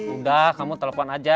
enggak kamu telepon aja